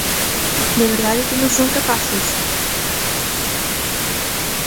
¿De verdade que non son capaces?